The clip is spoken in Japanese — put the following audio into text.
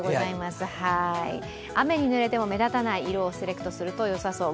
雨に濡れても目立たない色をセレクトするとよさそう。